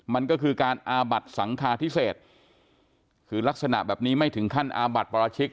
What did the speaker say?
มันก็คือการอาบัดสังคาพิเศษคือลักษณะแบบนี้ไม่ถึงขั้นอาบัติปราชิก